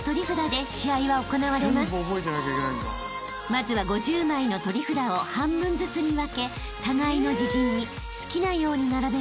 ［まずは５０枚の取り札を半分ずつに分け互いの自陣に好きなように並べます］